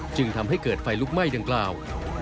จึงทำให้เกิดไฟลุกไหม้ดังกล่าว